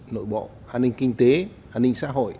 nội bộ an ninh kinh tế an ninh xã hội